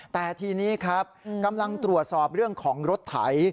แต่ทีนี้ครับกำลังตรวจสอบเรื่องของรถไถ